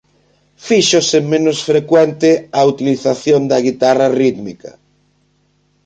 Fíxose menos frecuente a utilización da guitarra rítmica.